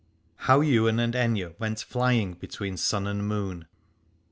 HOW YWAIN AND AITHNE WENT FLYING BETWEEN SUN AND MOON.